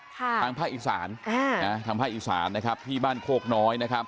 ทางภาคอีสานที่บ้านโคกน้อย